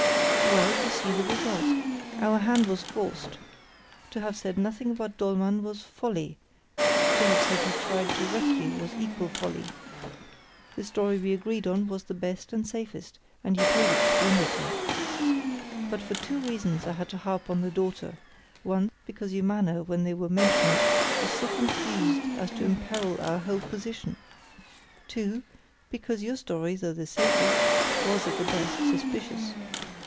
"Well, you see the result. Our hand was forced. To have said nothing about Dollmann was folly—to have said he tried to wreck you was equal folly. The story we agreed on was the best and safest, and you told it splendidly. But for two reasons I had to harp on the daughter—one because your manner when they were mentioned was so confused as to imperil our whole position. Two, because your story, though the safest, was, at the best, suspicious.